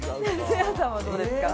せいやさんはどうですか？